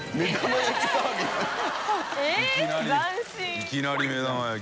いきなり目玉焼き。